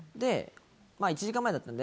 １時間前だったんで、